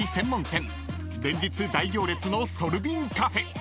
［連日大行列のソルビンカフェ］